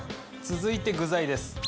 続いて具材です。